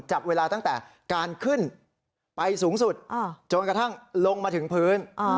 จับเวลาตั้งแต่การขึ้นไปสูงสุดจนกระทั่งลงมาถึงพื้น